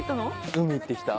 海行ってきた。